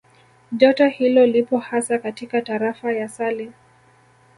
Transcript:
Joto hilo lipo hasa katika Tarafa ya Sale